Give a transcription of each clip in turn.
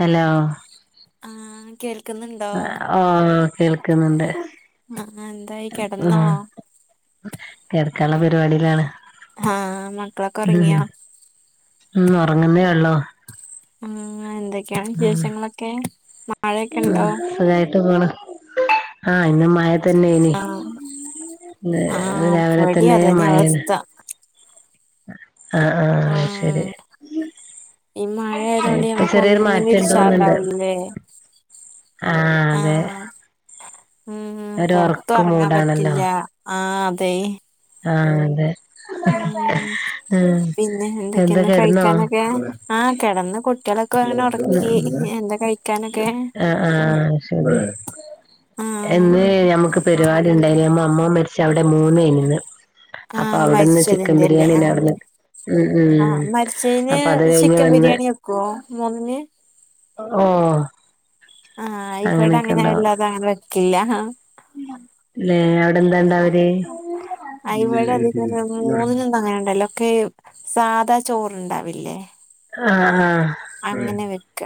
Hello ആ കേൾ ഓ കേൾക്കുന്നുണ്ട് ആഹ് എന്തായി ആ കിടന്നോ കെടക്കാൻള്ള പരിപാടിയിലാണ് ആ മക്കളൊക്കെ ഉം ഉറങ്ങിയോ ഉം ഉറങ്ങുന്നേ ഉള്ളോ ഉം എന്തൊക്കെയാണ് വിശേഷങ്ങളൊക്കെ മഴയൊക്കെ ഉണ്ടോ സുഖായിട്ട് പോണോ ആ ഇന്ന് മഴ തന്നേനി ആഹ് ഇന്ന് ആഹ് രാവിലെ ഇവിടേം തന്നെ അതന്നെ മഴാണ് അവസ്ഥ അ ആ ആഹ് ശരി ഈ മഴ ആയതുണ്ട് ഇപ്പൊ ഞമ്മക്ക് ചെറിയൊരു ഒന്നിനും മാറ്റം ഒരു ഉണ്ടോന്നുണ്ട് ഉഷാറുണ്ടാവൂല്ലല്ലേ ആഹ് ആ അതെ ഉം ഒരു പൊറത്തും ഉറക്ക് ഇറങ്ങാൻ മൂടാണല്ലോ പറ്റില്ല ആ അതെ ആ അതെ ഉം ഉം പിന്നെ എന്താ എന്തൊക്കെയന്ന് കിടന്നോ കഴിക്കാനൊക്കെ ആ കിടന്ന് കുട്ടികളൊക്കെ അങ്ങനെ ഉറക്കി എന്തൊ കഴിക്കാനൊക്കെ ആ ആ ശരി ആഹ് എന്നേഞമ്മുക്ക് പരിപാടിണ്ടായിന് നമ്മ അമ്മോൻ മരിച്ച അവിടെ മൂന്നാനിന്ന് ആ മരിച്ചതിന്റെ അല്ലേ ആ അവിടുന്ന് ഉം ഉം ആ മരിച്ചതിന് അപ്പൊ അത് കഴിഞ്ഞ് ചിക്കൻ വന്ന് ബിരിയാണി വെക്കോ മൂന്നിന് ഓ ആ ഇവടെ അങ്ങനെയൊക്കെ അങ്ങനെ അല്ലാതെ അങ്ങനെ വെക്കില്ല ല്ലെ അവിടെ എന്താണ്ടാ വല് അ ഇവടെ അധികന്ന് മൂന്നിനൊന്നും അങ്ങനെണ്ടല്ലോക്കെ സാധാ ചോറണ്ടാവില്ലേ ആഹ് ആഹ് അങ്ങനെ വെക്ക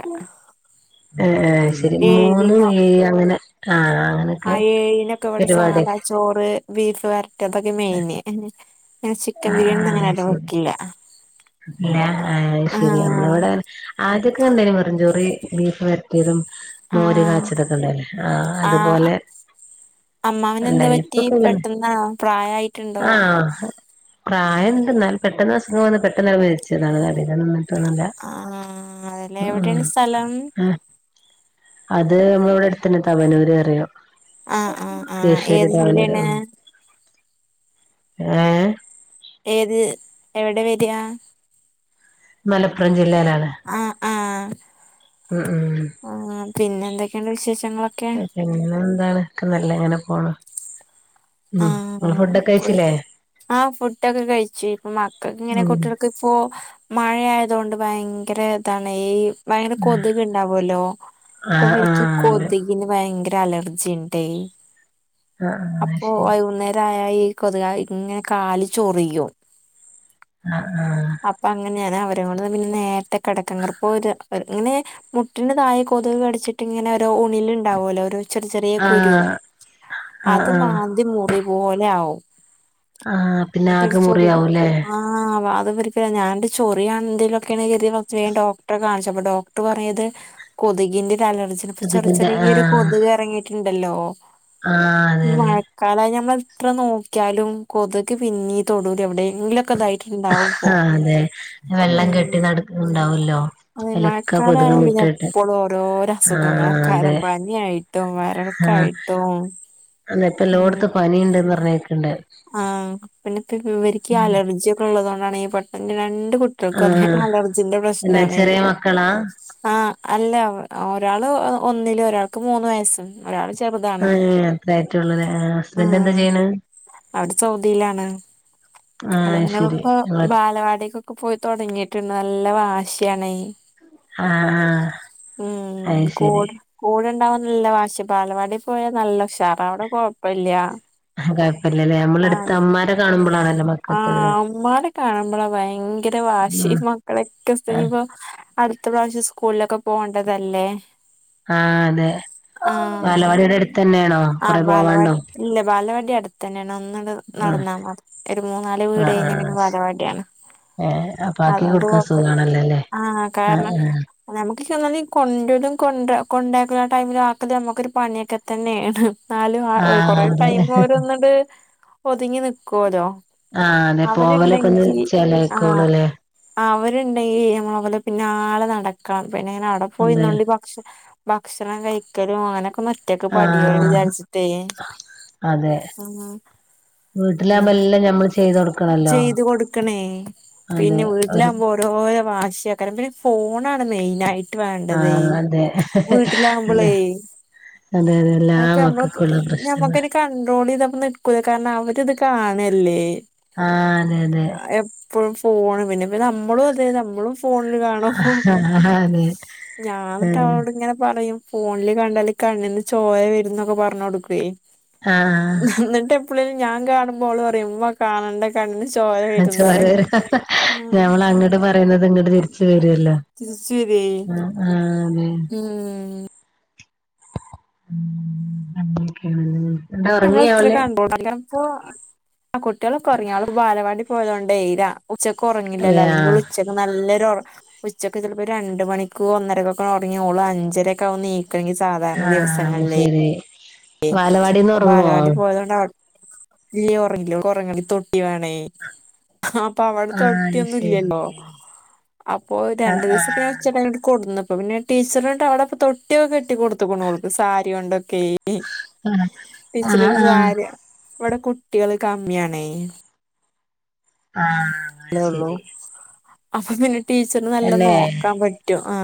ഏഹ് ഏഹ് ശരി മൂന്നും ഏഴും അങ്ങനെ ക്കാങ്ങനെ ആ എഴിനൊക്കെ ഇവടെ സാധാ ചോറ്, ബീഫ് വരട്ടിയത് അതൊക്കെ മെയിന് ചിക്കൻ ആഹ് ബിരിയാണി അങ്ങനെ ആഹ് ഒന്നും ശരി വെക്കില്ല അല്ല അയ് ശെരി നമ്മള് ആഹ് ഇവിടെ ആദ്യക്കെ എന്തായ്യ്നു വെറും ചോറും ബീഫ് വരട്ടിയതും, മോര് ആഹ് കാച്ചിയതൊക്കെ ഉണ്ടയിനു ആ അതുപോലെ അമ്മാവതെന്താ ഉണ്ടായി പറ്റി ഇപ്പൊക്കെ പിന്നെ പെട്ടെന്ന് പ്രായായിട്ടുണ്ടോ പ്രായം ഉണ്ടെന്നാലും പെട്ടെന്ന് അസുഖം വന്ന് പെട്ടെന്ന് മ റിച്ചതാണ് എന്നിറ്റൊന്നുമില്ല ആഹ് അതല്ലേ ആഹ് എവിടെയാണ് സ്ഥലം ആഹ് അത് നമ്മലെ ഇവിടെ അടുത്ത് തവന്നൂർപറയും ആഹ് ആഹ് ആഹ് കീശ്ശേരി, ഏത് തവനൂര് ജില്ലയാണ് ഏഹ് ഏത് എവിടെ വർഹ മലപ്പുറം ജില്ലയിലാണ് ആഹ് ആഹ് ഉം ഉം ആഹ് പിന്നെ എന്തൊക്കെയുണ്ട് വിശേഷങ്ങളൊക്കെ പിന്നെ എന്താണ് ഒക്കെ നല്ല ഇങ്ങനെ പോണു ഉം ഇങ്ങള് ഫുഡൊക്കെ ആഹ് കഴിച്ചില്ലേ ആഹ് ഫുഡൊക്കെ കഴിച്ചു ഇപ്പൊ മക്കൾക് ഇങ്ങനെ ഉം കുട്ടില് ഇപ്പോ മഴയായതു കൊണ്ട് ഭയങ്കര ഇതാണ് ഈ ഭയങ്കര കൊതുക് ഉണ്ടാവുല്ലോ അപ്പ ആഹ് ഇവരിക്ക് ആഹ് അതെ കൊതുക് പിന്നെ ഭയങ്കര അലർജി ഇണ്ടായി ആഹ് ആഹ് ഓ ശരി വൈകുന്നേരം ആയ ഇ കൊതുക് ഇങ്ങനെ കാല് ചൊറിയും ആഹ് ആഹ് അപ്പൊ അങ്ങനെയാണേ അവരെ കൊണ്ട് പിന്നെ നേരത്തെ കിടക [unintelligible] ഇങ്ങനെ മുട്ടിന്റെ താഴ കൊതുക് കടിച്ചിട്ട് ഇങ്ങനെ ഒരോ ഉണില് ഉണ്ടാവൊല്ലോ ചെറിയ ചെറിയ ആഹ് കുരു ആഹ് അത് ആഹ് മാന്തി മുറി പോലെ ആവും. ആഹ് പിന്നെ എന്നിട്ടൊരു ആകെ ചൊറി മുറിയാവുല്ലേ ആഹ് അത് ഇവർക്ക് പിന്നെ ഞാൻ ഇത് ചൊറിയാ എന്തെങ്കിലൊക്കെയാണ് കരുതി ഡോക്ടറെ കാണിച്ചു അപ്പൊ ഡോക്ടർ പറയ ഇത് കൊതുകിന്റെ അലർജിയാ ഇപ്പൊ ചെറിയ കൊതുകിന്റെ ചെറിയ ഒരു ആഹ് കൊതുക് ഇറങ്ങിയിട് ഇണ്ടല്ലോ ആഹ് അതെ അതെ കാരണം ഞമ്മൾ എത്ര നോക്കിയാലും കൊതുക് പിന്നീ തൊടുലു എവിടെയെങ്കിലുക്കെ ഇതായി ഹ്ഹ അതെ വെള്ളം ഉം കെട്ടി നടക്കുന്നുണ്ടാവല്ലോ അതെ അതിലൊക്കെ മഴക്കാലായ കൊതുക് പിന്നെ മുട്ടയിട്ട് എപ്പോഴും ആഹ് അതെ നി ആയിട്ടും വയറിളക്കം ആഹ് ആയിട്ടും അതെ ഇപ്പം എല്ലോടത്തും പനിയുണ്ട്ന്ന് പറഞ്ഞികേക്കുണ്ട് ആ പിന്നെ ഇവക്ക് അലർജിയൊക്കെ ഉള്ളതു കൊണ്ടാണ് ഈ പെട്ടെന്ന് രണ്ട് കുട്ടികൾ മക്കക്കും അതെ ആഹ് അലർജിന്റെ പിന്നെ പ്രശ്നാണേ ചെറിയ മക്കളാ ആഹ് അല്ല ഒരാള് ഒന്നില് ഒരാൾക്ക് മൂന്ന് വയസ്സും ഒരാള് ചെറുതാ ആഹ് അത്രയായിറ്റേ ഒള്ളു ലെ ഹസ്ബൻഡ് എന്താ ചെയ്യുണ് അവർ സൗദിയിലാണ് ആഹ് ഇളയവനെ ശരി ഇപ്പൊ ആഹ് ബാലവാടി പോ പോയി തുടങ്ങിയിട്ടുണ്ട് നല്ല വാശിയാന്നൈ ആഹ് അയ് മ്മ് കൊ ശരി കൂടെ ഉണ്ടാവുമ്പോഴുള്ള വാശി ബാലവാടി പോയാ നല്ല ഉഷാറാ അവിടെ കുഴപ്പില്ല അതെ [unintelligible] നമ്മളുടുത്ത ഇമ്മാരെ കാണുമ്പോ ആ ഉമ്മാനെ കാണുമ്പോളാ ഭയങ്കര വാശി ഉം മക്കളൊക്കെ ആ സ്ഥിതി ഇപ്പോ അടുത്ത പ്രാവശ്യം സ്കൂളിലൊക്കെ പോണ്ടതല്ലേ ആഹ അതെ ആഹ് ബാലവാടി അ വിടെ അടുത്ത് ആഹ് തന്നെയാണോകൊറെ പോവാനുണ്ടോ ബാലവാടി ഇല്ല ബാലവാടി അടുത്ത് തന്നെയാണ്. ഒന്നങ്ങട് ആ നടന്നാൽ മതിഒരു മൂന്ന് നാല് ആ വീട് ആ കഴിഞ്ഞാ പിന്നെ ബാലവാടിയാണ്. ഏ അപ്പൊ ആക്കി അതുകൊണ്ട് കൊടുക്കാൻ കൊഴപ്പില്ല.. സുഖാണല്ലോല്ലേ ആ ആ കാരണം ആ നമുക്ക് എന്നാല കൊണ്ടലും കൊ കൊണ്ടാക്കുള്ള ടൈമിലും ആക്കല് നമുക്കൊരു പണിയൊക്കെ തന്നെയാണ് എന്നാലും ആ കൊറെ ടൈമ അവര ഒന്നട് ഒതുങ്ങി നിക്കുവല്ലോ ആഹ് അതെ പോവലൊക്കെ ഒന്ന് ചേലായിക്കോളൂ അല്ലേ അവരുണ്ടെങ്ക നമ്മളെ അവലെ പിന്നെ ആലെ നടക്കണം പിന്നെ ഇങ്ങനെ അവിടെ അതെ പോയിന്നോണ്ട് ഭക്ഷണം ഭക്ഷണം കഴിക്കലും അങ്ങനെയൊക്കെ മ ഒറ്റക്കെ ആ പടിയോ വിചാരിച്ചട്ടേ അതെ ഉം വീട്ടിലാകുമ്പോ എല്ലാം ഞമ്മള് ചെയ്ത് കൊടുക്കണല്ലോ ചെയ്ത് കൊടുക്കണേ അതെ പിന്നെ വീട്ടിലാ ഒരു ബോ ഓരോരോ വാശിയൊക്കെ പിന്ന ഫോൺആണ് മെയിൻ ആയിട്ട് ആ വേണ്ടതെ അതെ അതെ വീട്ടിലാകുമ്പോളേ അതെ അതെ എല്ലാ അപ്പ നമ്മളൊക്കെ മക്കൾക്കുള്ള ഞമ്മക്ക പ്രശ്നങ്ങളാ കണ്ട്രോൾ ചെയ്തപ്പോ നിക്കല കാരണം അവരി ഇത് കാണല്ലേ ആ അതെ അതെ എപ്പോഴും ഫോണ് പിന്നെ നമ്മളുംഅതെ നമ്മളും ഫോണിൽ കാണോ അതെ ഞാനിട്ട് ഏഹ് അവളോട് ഇങ്ങനെ പറയും ഫോണില് കണ്ടാൽ കണ്ണിന് ചോര വരും എന്നൊക്കെ പറഞ്ഞടുക്കേ ആഹ് എപ്പളെയെന്ക്കിലും ഞാൻ കാണുമ്പോഓൾ പറിയും ഇമ്മാ കാണേണ്ട കണ്ണിന് ചോര വരുന്നറിയ ഞമ്മൾ അങ്ങോട്ട് പറയുന്നത് ഇങ്ങോട്ട് തിരിച്ചു വരുല്ലോ തിരിച്ചു പറയെ അ ആ അതെ ഉം ഉറങ്ങിയഓല് കുട്ടികൾ ഇപ്പൊ കുട്ടികൾ ഒക്കെ ആള് ബാലവാടി പോയത്കൊണ്ടേ രാവി ഉച്ചക്ക് ഉറങ്ങില്ലല്ലോ ആഹ് അല്ലെങ്കിൽ ഉച്ച നല്ലൊരു ഉറക്കെ ഉച്ചക്ക് രണ്ട മണിക്കക്ക് ഒന്നരക്കൊ ഒക്കെ ഉറങ്ങി യാൽ ഓള് അഞ്ചരൊക്കെ നീക്ക സാധാരണ ആഹ് അത് ദിവസങ്ങളിൽ ശരി ബാലവാടിന്ന് ഇപ്പൊ ഒറങ്ങോ ബാലവടി [unintelligible] ഉറങ്ങി തൊട്ടി വേണേ അപ്പൊ അവിടെ ആഹ് അത് തൊട്ടിയൊന്നും ഇല്ലല്ലോ ശരി അപ്പൊ രണ്ടു ആഹ് ആഹ് ദിവസൊക്കെ ചെക്കനെ കൊടുന്നുന്നപ്പൊ പിന്നെ ടീച്ചറിണ്ട് അവിടെൊ തൊട്ടിയൊക്കെട്ടി കൊടുതുക്കണ് ഓൾക്ക് സാരി ഓണ്ട് ഒക്കെ ആഹ് ടീച്ചറ ആഹ് സാരി ഇവിടെ കുട്ടികള് കമ്മിയാണ ആഹ് അത് അേള്ളൂ ശരി അപ്പൊ പിന്നെ ടീച്ചർ നല്ല അല്ലേ നോക്കാൻ പറ്റും ആ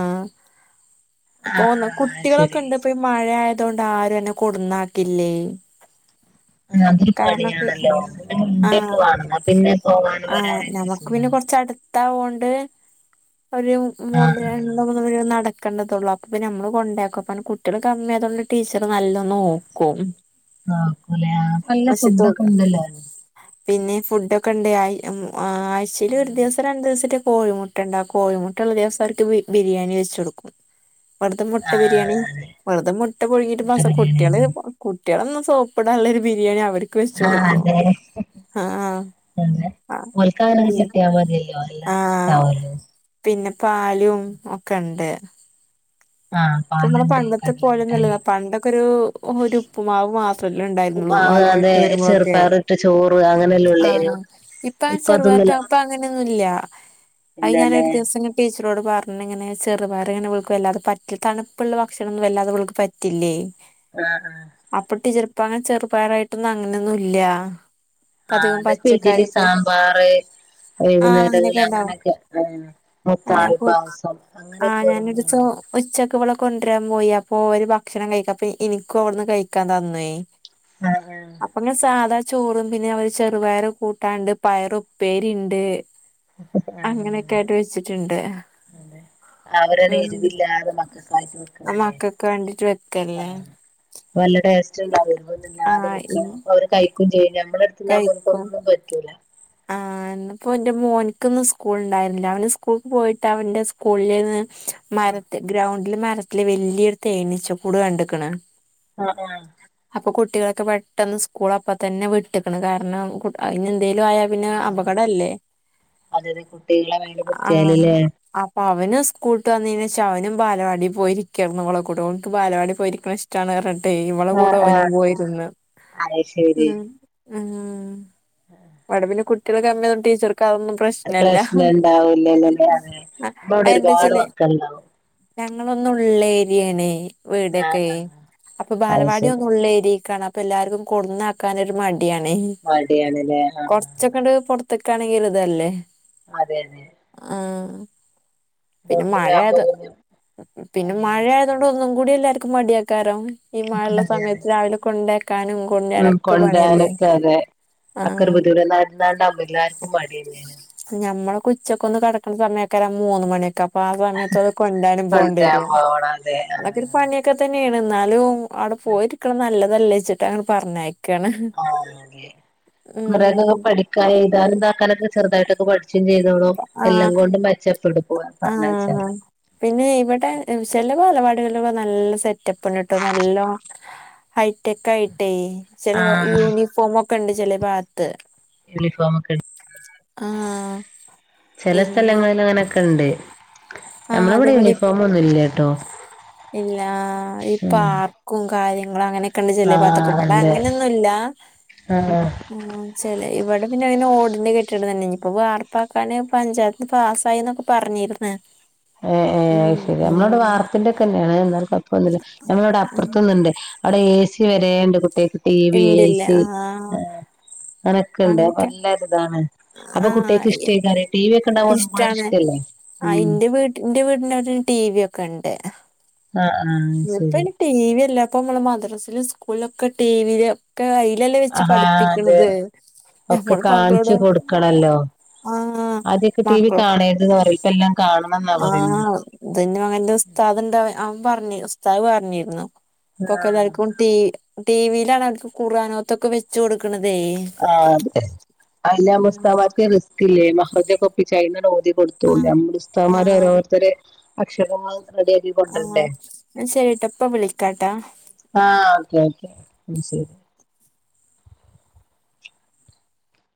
ഇപ്പൊ ആഹ് ഒ ആഹ് അത് കുട്ടികളൊക്കെ ശരി ഇണ്ട് ഇപ്പൊ ഈ മഴ ആയത കൊണ്ട് ആരും അങ്ങനെ കൊടന്നാക്കില്ലേ അതൊരു കാരണംക്കെ പണിയാണല്ലോ ഇവടെ ആഹ മുണ്ടൊക്കെ വേണം എന്നാ പിന്നെ പോവാനും ആഹ വരാനൊക്കെ നമുക്ക് പിന്നെ സുഖാണ് കൊറച്ച്ടു ത്താ കൊണ്ട് അവര് ആഹ് ആഹ് മര് നടക്കേണ്ടത് അപ്പൊപ്പ നമ്മള് കൊണ്ടക്കും അ കുട്ടികൾ കമ്മിയാതുകൊണ്ട് ടീച്ചറ് നല്ലോ നോക്കും നോക്കൂലേ ആഹ് ഇപ്പ നല്ല പക്ഷത്തോട്ട ഫുഡൊക്കെ ഉണ്ടല്ലോ പിന്നെ ഫുഡ് ഒക്കെ ഉണ്ട് ആഴ്ചൽ ഒരു ദിവസം രണ്ടു ദിവസത്തെ കോയിമുട്ട ഇണ്ട കോഴമുട്ട ഉള്ള ദിവസാർക്ക് ബിരിയാണി വെച്ച് കൊടുക്കും വെറുതെ മുട്ട ബിരിയാണി ആഹ് അതെ വെറുതെ മുട്ട പുഴുങ്ങീട്ട് മുട്ട മസ കുട്ടികളെ ബിരിയാണിയാക്കി കുട്ടികളൊന്നും സോപ്പടാനുള്ളരു ബിരിയാണി അവർക്ക് വെച്ച ആഹ് കൊടുക്കും ആഹ ഓൽക്കങ്ങനെ കിട്ടിയമതില്യോ എല്ലാും ആഹ് പിന്നെ പാലും ഒക്കെ ഉണ്ട് ആഹ് പ്പോ നമ്മളെ പാലുണ്ട് പണ്ടത്തെ കടല പോലെന്നല്ലത മുട്ടായി പണ്ടൊക്കെ ഒരു ഒരു ഉപ്പുമാവ് മാ ല്ല ഉണ്ടായിരുന്നുള്ളു മാവ് അതെ വാലാവാടി വരുമ്പോഴൊക്കെആ ചെറുപ്പയർ ഇട്ട് ചോറ് അങ്ങനെയല്ലേ ഉള്ളേനു ഈ ഇപ്പൊ ചെറുവാർട്ട അപ്പ അങ്ങനെയൊന്നുംല്ല അത് ഞാാന ഇല്ലല്ലേ ഒരു ദിവസം ടീച്ചറോട് പറഞ്ഞിങ്ങനെ ചെറുപയർ ഇങ്ങനെ വല്ലാതെ പറ്റില്ല തണുപ്പുള്ള ഭക്ഷണൊന്നും വല്ലാതെ ഇവൾക്ക് പറ്റില്ലേ ആഹാ ആഹ അപ്പൊടി ചിൽപ്പ അങ്ങെ ചെറുപയരായിട്ടൊന്നും അങ്ങനൊന്നും ഇല്ല. ഇപ്പ ആഹാ അധികം ഇന്നിപ്പ ഇഡ്ലി പച്ചക്കറിപ്പ സാമ്പാറ്. ആഹ് വൈകുന്നേങ്ങളി ഉണ്ടാവും അങ്ങനെയൊക്കെ. ആഹ ഞാൻ മുത്താരി പോ പായസം ആഹ് അങ്ങനെയക്കെ ഞാനൊരു ഓരോന്ന് ദിവസം ഉച്ചക്ക് വ്ള കൊണ്ട്രാംപോയി അപ്പൊ ഓര് ഭക്ഷണ കഴിക്കാപ്പ ഇനിക്കുഅവിടുന്ന് കഴിക്കാൻ തന്നേ ആഹ അതെന്നെ അപ്പങ്ങന് സാധാചോറ് പിന്നെ അവര് ചെറുപയര്കൂട്ടാണ്ട്. പയറുപ്പേരിണ്ട്. [unintelligible] അവരത് എരിവില്ലാതെ മക്കക്കായിറ്റ് വെക്കുണ മക്കൾക്ക് വേണ്ടിട്ട് വക്കലേ വല്ല ടേസ്റ്റ്ണ്ടാത് വെക്ക അവര് കയി ക്കും ചെയും നമ്മള് കൈയ്ക്കും ആഹ പ്പോന്റെ മോനിക്കിന്ന് സ്കൂണ്ടായിന്നില്ല. അവന് സ്കൂൾക്ക് പോയിട്ട് അവൻന്റെ സ്കൂളിൽന്ന്. ഉം. മരത്തി ഗ്രൗണ്ടില് മരത്തില് വെല്യയൊരു തേനീച്ച കൂട് കണ്ട്ക്കണ്. ആഹ് ആഹാ അപ്പൊ കുട്ടികളൊക്കെ പെട്ടെന്ന് സ്കൂള് അപ്പ തന്നെ വിട്ടക്കണ് കാരണം അന് എന്തേലും ആയാ പിന്നെ ആഹ് അപകടല്ലേ? അതത് കുട്ടികളെ മേലെ ആഹ് കുത്തിയാലല്ലേ അപ്പൾ അവന സ്കൂളട്ട് വന്ന കഴഞ്ഞ വച്ചാ അവനു സ്‌കൂൾട്ട് വന്നേനേശം അവനുസ്കൂള്ട് വന്നീണേഷഅവനും ബാലവാടി പോയിരിക്കണ് ഓളെ കൂടെ ഓൻക്ക് ബാലവാടി പോയിരിക്കണഇഷ്ടാണ് ട്ടേ ഇവളെ കൂടെ ആഹ് ഓനും ആഹ് പോയിനിന്ന് അത് ശരി ഹും. ആഹ് വടെപിന്നെ കുട്ടിള് കമ്മിയായിട്ട് ടീച്ചർക്ക് അഹ് ഒന്നും പ്രശ്നല്ല പ്രശ്നം ഉണ്ടാവൂലല്ലല്ലേ അതെ നമ്മളവിടെ അഹ് ഒരുപാട് ന്തച്ചല് മക്കളുണ്ടാവും ഞങ്ങളൊന്നുള്ളേരിയണേ വീടൊക്കെ. ആഹ് ആഹ് അപ്പൊ അത് ശരി ബാലവാടിയൊന്നുള്ളേരിയക്കാണ്. അപ്പൊ എല്ലാക്കും കൊട്ന്നാക്കാനൊരു മടി മടിയാണേ മടിയാണല്ലേ? ആഹ് കൊറച്ച്ക്കണ്ട് പുറത്തക്കാണെങ്കില് ഓരു ഇതല്ലേ? അതെ അതെ ആഹ് പിന്നെ ഇതാവുമ്പോ മഴയത് പിന്നെ പിന്നെ പണിയാണ് മഴയത് തോണ്ട് ഒന്നും കൂടി എല്ലാരക്കും മടിയെക്കാരം ഈ അതെ അതെ മഴള്ളസമയത്ത് രാവിലെ കൊണ്ടേക്കാനും കൊണ്ടരനും ഉം ഒക്കെ പണിയല്ലേ? കൊണ്ടരാനൊക്കെ അതെ ആഹ് [unintelligible] എല്ലാർക്കു മടിയെന്നാണ്. ഞമ്മള് ഓക്കെ ഉച്ചക്കൊന്ന് കടക്ക്ണ സമയെക്കരം മൂന്ന് മണിയൊക്കെ അപ്പൊ ആഹ സമയത്ത് ഓരെ കൊണ്ടര്നും കൊണ്ടരാൻ പോണ്ടിരും പോണം അതെ ആഹ് അതിൽ പണിയൊക്കെ തന്നെയാണ്. ന്നാലും അവ്ടെ പോയിരിക്കണ് നല്ലതലെച്ചിട്ട് അങ്ങനെ പറഞ്ഞയക്കണ് [unintelligible] കുറെക പഠിക്കാന എയ്താന് ഇതാക്കാനൊക്കെ ചെറുതായിട്ടൊക്കെ പഠ ച്ചും ചെയ്തോളും എല്ലാം ആഹ് കൊണ്ടും മെച്ചപ്പെടും പോനേ ആഹ് പറഞ്ഞയച്ചാല്. പിന്നെ ഇവിടെ ചെല ബാലവാടികളിൽ നല്ല സെറ്റപ്പണ്ട്ട്ടോ നല്ലോണം. ഹൈടെക്ക് ആയിട്ടേ ചില ആഹ് യൂണിഫോമക്കെ ഇണ്ട് ചെലഭാത്ത് [unintelligible] ആഹ ചെല സ്ഥലങ്ങളിൽ അങ്ങനൊക്കെ ഇണ്ട്. ആഹ് അതെ പോലെ ഇവിടെന്ന്ല്ലട്ടോ ഇല്ല്ലാ ഈ പാർക്കും കാര്യങ്ങളു അങ്ങനെ ക്കെണ്ട് ചെലപകത്തൊക്കെ ആഹ് അതെ ഇവിടങ്ങനെയൊന്നുല്ല ആഹ് ആ ചെല ഇവിടെ പിന്നെ അ ഓടിന്റെ കെട്ടിടം തന്നെ ഇ്ഞിപ്പ വാർപ്പാക്കാന് പഞ്ചായത്ത് പാസായിന്നൊക്കെ പറഞ്ഞിര്ന്ന് എ ഏഹ് ശരി നമ്മളവിടെ വാർപ്പിന്റെഒക്കെന്നെയാണ് എന്നാല കൊയപൊന്നില്ല ഞമ്മളവിടെ അപ്പുറത്തൊന്നുണ്ട്. അവിടെ ഏസി വരേണ്ട് കുട്ടികക്ക് ടി വി ഇണ്ടില്ല ഏസി ആഹ് അങ്ങനൊക്കെണ്ട് അപ്പൊ അങ്ങനൊക്കെ നല്ലൊര്താണ് അപ്പ കുട്ടിയക്ക് ആഹ് ഇഷ്ടയ്ക്കാര ടി വി യൊക്കെണ്ടാവുമ്പോ ഒന്നും കൂടെ ഒരു ഇഷ്ടാണ് ഇഷ്ടല്ലേ ആഹ് ഉം ഇന്റെ വീട്ട് ഇന്റെ വീടിന്റ അവിടൊരു ടി വി ഒക്കെ ഇണ്ട് ആഹ് ആഹ് ശരി ടി വി അല്ല ഇപ്പ അമ്മള് മദ്രാസിലും സ്കൂളിലൊക്കെ ടി വി യില് ക്കേ അയിലല്ലേ വെച്ച് ആഹാ അതെ പഠിപ്പിക്കണത് ഒക്കെ ഞമ്മള് മക്കളോട് കാണിച്ചു കൊടുക്കണല്ലോ ആഹ് ആദ്യൊക്കെ ടി വി മക്കളോ കാണരുതെന്ന് പറയും ഇപ്പെല്ലാം കാ ആഹ് ഇതെന്റെ മകന്റെ ഉസ്താദ് ഇണ്ട അവ അവൻ പറഞ്ഞ് ഉസ്താദ് പറഞ്ഞിരുന്നു ആഹ് ഇപ്പൊക്കെല്ലാർക്കും ടി ടി വീ ലാണ് അവർക്ക് ഖുർആൻ ഓത്തൊക്കെ വെച്ചോടുക്കണതേ ആഹ് അതെ അതിലാവുമ്പോ ഉസ്താദന്മാർക്ക് റിസ്ക് ഇല്ലല്ലോ വെറുതേക്ക ഒപ്പിച്ചാ എന്നു അങ്ങട് ഓതി കൊടു [unintelligible] ആഹ് ഞാൻ പറയും ഉസ്താദമാര് ആഹ് അത് ഓരോരുത്തര് അക്ഷരങ്ങള് റെഡിയാക്കി ആഹ് കൊണ്ടരണ്ടേ എന്നാ ശരിട്ടോ ഇപ്പ വിളിക്കാട്ടാ ആഹ് ഓക്കെ ഓക്കെ ശരി